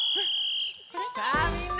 さあみんな！